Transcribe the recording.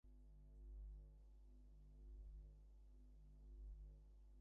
ত্রয়োদশ সংশোধনী হঠাৎ ফেলে দেওয়ায় নির্বাচনী আইনে বিদ্বেষ সৃষ্টি করা হয়েছে।